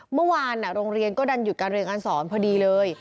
เมื่อวานโรงเรียนก็ดันหยุดการเรียนการสอนพอดีเลย